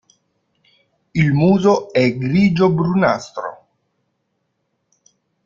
Il muso è grigio-brunastro.